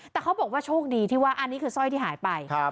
แต่เขาบอกว่าโชคดีที่ว่าอันนี้คือสร้อยที่หายไป